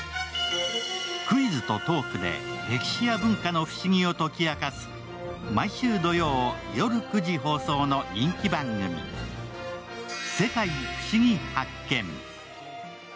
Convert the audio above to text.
クイズとトークで歴史や文化のふしぎを解き明かす、毎週土曜夜９時放送の人気番組「世界ふしぎ発見！」。